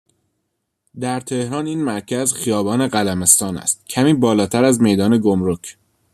در تهران این مرکز، خیابان قلمستان است؛ کمی بالاتر از میدان گمرک.